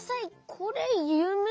これゆめ？